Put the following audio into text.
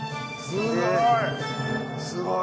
すごい！